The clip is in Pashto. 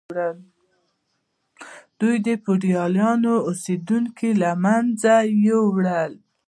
دوی د فیوډالانو اوسیدونکي له منځه یوړل.